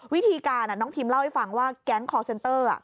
วิธีการน้องพิมเล่าให้ฟังว่าแก๊งคอร์เซนเตอร์